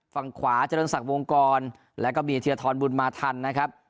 ฝั่งขวาเจริญศักดิ์วงกรแล้วก็มีธีรทรบุญมาทันนะครับ